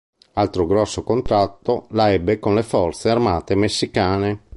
Altro grosso contratto la ebbe con le forze armate messicane.